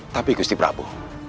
tapi gusti prabu